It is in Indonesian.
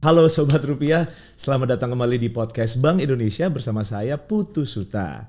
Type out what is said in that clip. halo sobat rupiah selamat datang kembali di podcast bank indonesia bersama saya putu suta